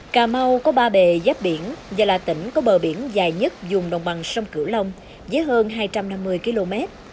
cà mau có ba bề giáp biển và là tỉnh có bờ biển dài nhất dùng đồng bằng sông cửu long với hơn hai trăm năm mươi km